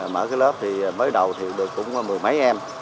mở cái lớp thì mới đầu thì được cũng mười mấy em